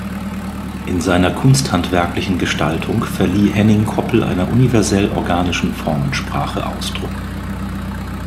In seiner kunsthandwerklichen Gestaltung verlieh Henning Koppel einer universell organischen Formensprache Ausdruck.